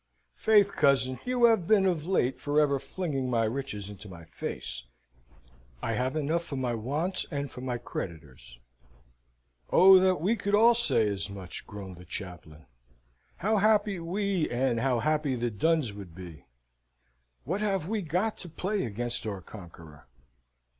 "Faith, cousin, you have been of late for ever flinging my riches into my face. I have enough for my wants and for my creditors." "Oh, that we could all say as much!" groaned the chaplain. "How happy we, and how happy the duns would be! What have we got to play against our conqueror?